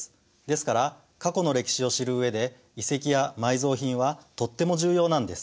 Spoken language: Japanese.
ですから過去の歴史を知る上で遺跡や埋蔵品はとっても重要なんです。